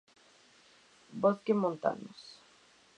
Bosques montanos.